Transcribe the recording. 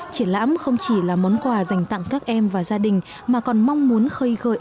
triển lãm không chỉ là món quà dành tặng các em và gia đình mà còn mong muốn khơi gợi